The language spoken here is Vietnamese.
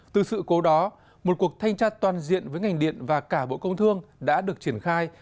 từ sự cố đó một cuộc thanh tra toàn diện với ngành điện và cả bộ công thương đã được triển khai